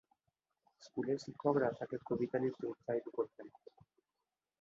স্কুলের শিক্ষকরা তাকে কবিতা লিখতে উৎসাহিত করতেন।